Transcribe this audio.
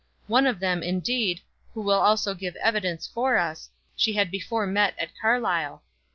One of them, indeed, who will also give evidence for us, she had before met at Carlisle.